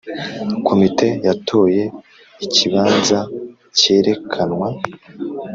komite yatoye ikibanza cyerekanwa.